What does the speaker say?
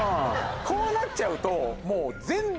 こうなっちゃうともう。